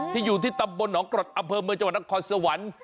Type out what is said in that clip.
อยู่ที่ตำบลหนองกรดอำเภอเมืองจังหวัดนครสวรรค์